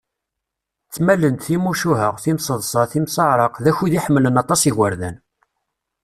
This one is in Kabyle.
Ttmalen-d timucuha, timseḍsa, timseɛraq, d akud iḥemmlen aṭas yigerdan.